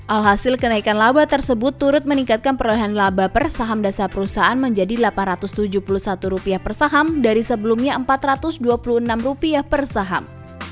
alhasil kenaikan laba tersebut turut meningkatkan perolehan laba per saham dasar perusahaan menjadi rp delapan ratus tujuh puluh satu per saham dari sebelumnya rp empat ratus dua puluh enam per saham